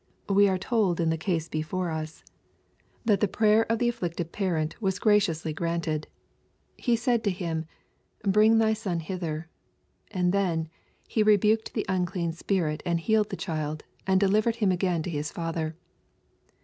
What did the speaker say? We are told in the case before us, that the prayer of the LUKE, CHAP. IX. 323 afflicted parent was graciously granted. He said to him, " Bring thy son hither." And then " He rebuked the unclean spirit, and healed the child, and delivered him again to his father."